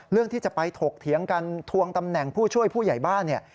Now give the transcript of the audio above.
เรื่องที่จะไปถกเถียงกันทวงตำแหน่งผู้ช่วยผู้ใหญ่บ้านเนี่ย